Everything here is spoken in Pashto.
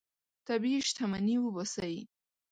طبیعي شتمني وباسئ.